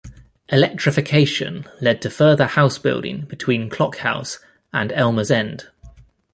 Electrification led to further house building between Clock House and Elmers End.